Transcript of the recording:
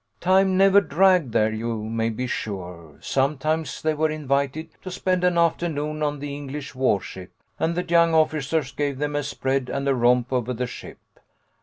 "Time never dragged there, you may be sure. Sometimes they were invited to spend an afternoon on the English war ship, and the young officers gave them a spread and a romp over the ship.